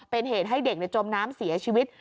เป็นเหตุให้เด็กจมน้ำเสียชีวิต